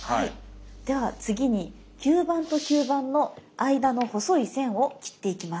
では次に吸盤と吸盤の間の細い線を切っていきます。